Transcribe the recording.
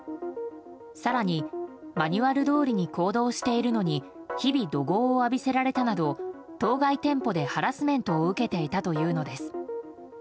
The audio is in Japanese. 更に、マニュアルどおりに行動しているのに日々、怒号を浴びせられたなど当該店舗でハラスメントを受けていたというのです。